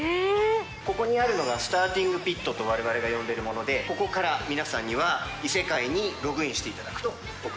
ここにあるのがスターティングピットとわれわれが呼んでいるもので、ここから皆さんには異世界にログインしていただくと。